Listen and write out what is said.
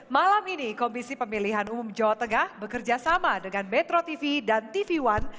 malam ini komisi pemilihan umum jawa tengah bekerja sama dengan metro tv dan tv one